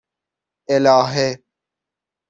اِلهه